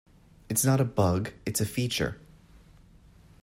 It's not a bug, it's a feature!